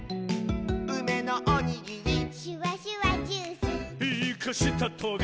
「うめのおにぎり」「シュワシュワジュース」「イカしたトゲ」